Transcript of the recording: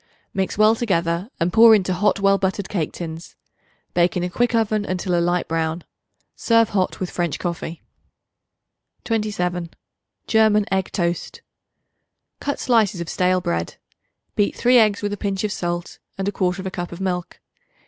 Mix well together and pour into hot well buttered cake tins. Bake in a quick oven until a light brown. Serve hot with French coffee. 27. German Egg Toast. Cut slices of stale bread; beat 3 eggs with a pinch of salt and 1/4 cup of milk.